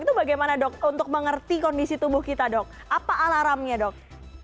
itu bagaimana dok untuk mengerti kondisi tubuh kita dok apa alarmnya dok